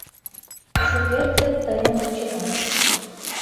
Шукертсек тыйым вучена...